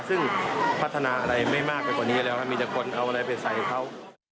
ซึ่งพัฒนาอะไรไม่มากไปกว่านี้แล้วครับมีแต่คนเอาอะไรไปใส่เขา